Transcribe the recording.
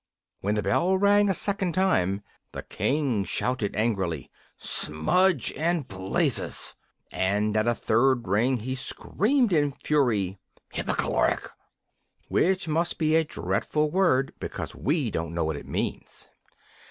When the bell rang a second time the King shouted angrily, "Smudge and blazes!" and at a third ring he screamed in a fury, "Hippikaloric!" which must be a dreadful word because we don't know what it means.